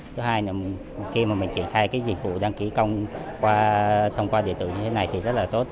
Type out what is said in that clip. thứ hai khi mà mình triển khai cái dịch vụ đăng ký công qua dịch vụ như thế này thì rất là tốt